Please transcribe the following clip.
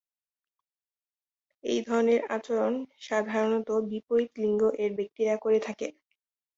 এ ধরণের আচরণ সাধারণত বিপরীত লিঙ্গ-এর ব্যক্তিরা করে থাকে।